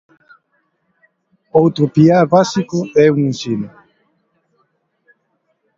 Outro piar básico é o ensino.